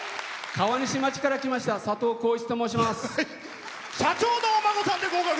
川西町から来ましたさとうと申します。